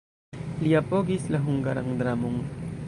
Li apogis la hungaran dramon.